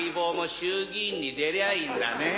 衆議院に出りゃいいんだね。